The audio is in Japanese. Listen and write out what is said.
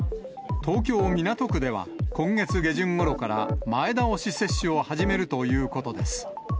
東京・港区では、今月下旬ごろから前倒し接種を始めるということです。